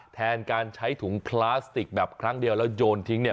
แทนการใช้ถุงพลาสติกแบบครั้งเดียวแล้วโยนทิ้งเนี่ย